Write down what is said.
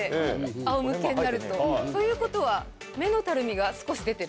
仰向けになると。ということは目のたるみが少し出てる。